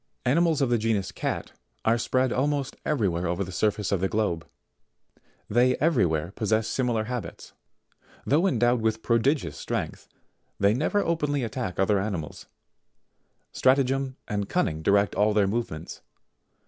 71. Animals of the genus CAT, are spread almost every where over the surface of the globe : they every where possess similar habits. Though endowed with prodigious strength, they never openly attack other animals ; stratagem and cunning direct all their movements.